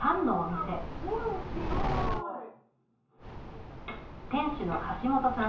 店主の橋本さん。